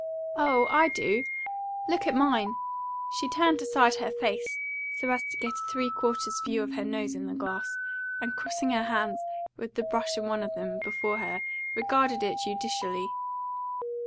"Oh, I do. Look at mine!" She turned aside her face, so as to get a three quarters view of her nose in the glass, and crossing her hands, with the brush in one of them, before her, regarded it judicially.